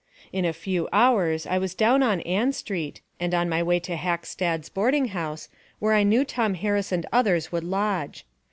In a few hours I was down in Ann Street, and on my way to Hackstadt's boarding house, where I knew Tom Harris and others would lodge.